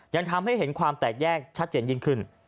ยังทำให้เห็นความแตกแยกชัดเจนยิ่งขึ้น